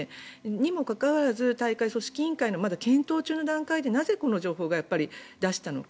にもかかわらず大会組織委員会のまだ検討中の段階でなぜこの情報を出したのか